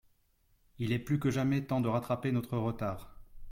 Il est plus que jamais temps de rattraper notre retard.